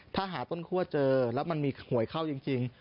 ถ้าหาต้นคั่วเจอแล้วมันมีหวยเข้าจริง